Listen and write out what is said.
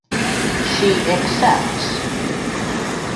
She accepts.